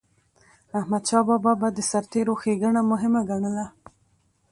احمدشاه بابا به د سرتيرو ښيګڼه مهمه ګڼله.